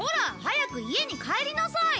早く家に帰りなさい！